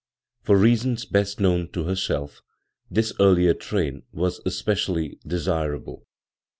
For reasons best known to herself this earlier train was specially de simble.